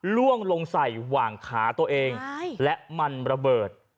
ล่วงลงใส่หว่างขาตัวเองและมันระเบิด